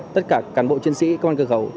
tất cả cán bộ chiến sĩ công an cửa khẩu